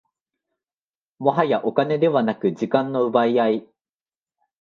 もはやお金ではなく時間の奪い合い